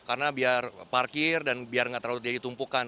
karena biar parkir dan biar nggak terlalu jadi tumpukan